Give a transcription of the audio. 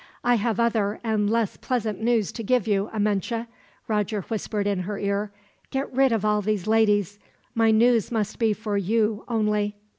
"I have other and less pleasant news to give you, Amenche," Roger whispered in her ear. "Get rid of all these ladies. My news must be for you, only."